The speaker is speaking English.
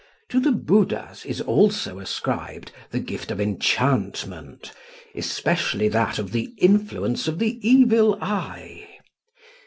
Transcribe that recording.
To the Budas is also ascribed the gift of enchantment, especially that of the influence of the evil eye.